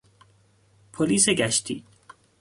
پلیس گشتی